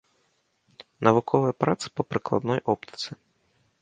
Навуковыя працы па прыкладной оптыцы.